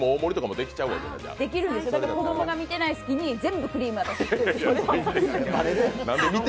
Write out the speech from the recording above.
できるんです、子供が見てない隙に、全部クリーム入れる。